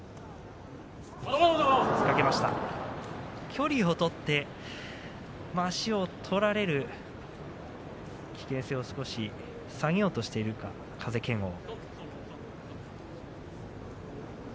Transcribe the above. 距離を取って足を取られる危険性を少し下げようとしているか風賢央。